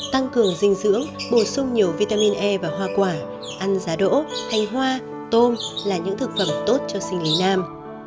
tăng cường dinh dưỡng bổ sung nhiều vitamin e và hoa quả ăn giá đỗ thanh hoa tôm là những thực phẩm tốt cho sinh lý nam